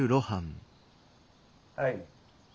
はい。